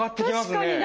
確かに！